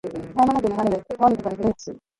絶え間なく流れる川に架かる古い橋